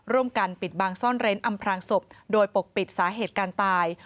เป็นการปิดบังซ่อนเร้นอำพลางศพโดยปกปิดสาเหตุการตาย